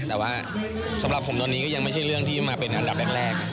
แต่ว่าสำหรับผมตอนนี้ก็ยังไม่ใช่เรื่องที่มาเป็นอันดับแรก